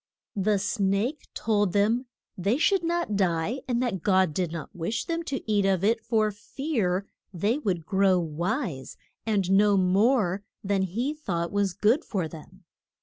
The snake told them they should not die, and that God did not wish them to eat of it for fear they would grow wise, and know more than he thought was good for them.